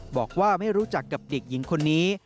บอกว่าไม่รู้จักกับเด็กหญิงคนนี้